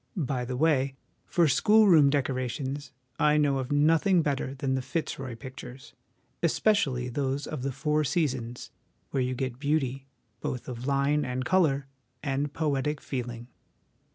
By the way, for school room decorations, I know of nothing better than the Fitzroy Pictures, 1 especially those of the Four Seasons, where you get beauty, both of line and colour, and poetic feeling.